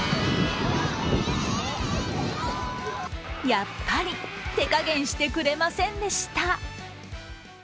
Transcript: やっぱり手加減してくれませんでした。